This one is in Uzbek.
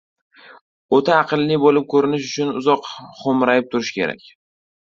— O‘ta aqlli bo‘lib ko‘rinish uchun uzoq xo‘mrayib turish kerak.